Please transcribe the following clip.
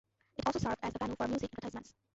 It also served as a venue for music advertisements.